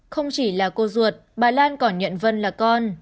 không chỉ là cô ruột bà lan còn nhận vân là con